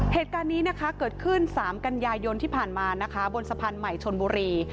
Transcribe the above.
เหตุการณ์นี้นะคะเกิดขึ้น๓กันยายนที่ผ่านมานะคะบนสะพานใหม่ชนบุรี